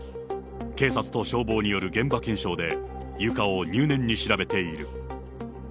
警察と消防による現場検証で、床を入念に調べている。